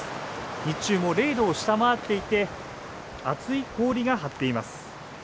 日中も０度を下回っていて、厚い氷が張っています。